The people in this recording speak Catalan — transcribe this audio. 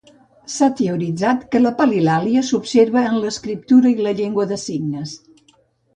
S'ha teoritzat que la palilàlia s'observa en l'escriptura i la llengua de signes.